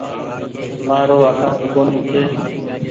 مآرو اڪآونٽ ڪونيٚ ڇي۔